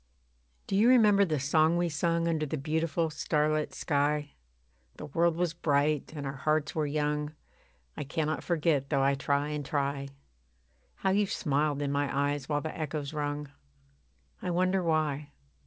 Do you remember the song we sung, Under the beautiful starlit sky? The world was bright, and our hearts were young I cannot forget though I try and try. How you smiled in my eyes while the echoes rung. I wonder why.